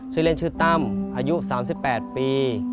ชื่อเล่นชื่อตั้มอายุ๓๘ปี